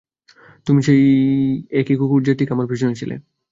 তুমি সেই একই কুকুর যে ঠিক আমার পেছনে ছিলে।